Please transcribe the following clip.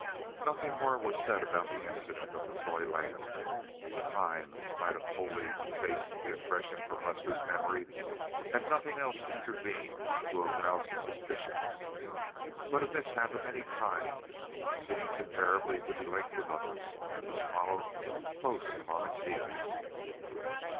Nothing more was said about the incident of the toy lamb. Time might have wholly effaced the impression from Lester's memory had nothing else intervened to arouse his suspicions; but a mishap of any kind seems invariably to be linked with others which follow close upon its heels.